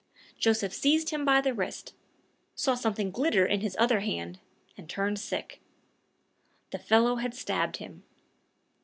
Joseph seized him by the wrist, saw something glitter in his other hand, and turned sick. The fellow had stabbed him.